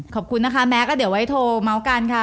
ขอบคุณนะคะแม็กซ์แล้วเดี๋ยวไว้โทรเมาส์กันค่ะ